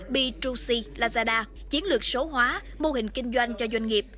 b hai c lazada chiến lược số hóa mô hình kinh doanh cho doanh nghiệp